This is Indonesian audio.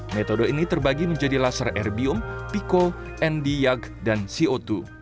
metode ini terbagi menjadi laser erbium pico nd yag dan co dua